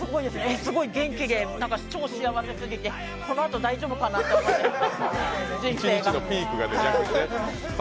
すごい元気で、超幸せすぎてこのあと大丈夫かなと思って、人生が。